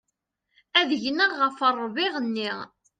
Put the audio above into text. Ad gneɣ ɣef ṛṛbiɣ-nni.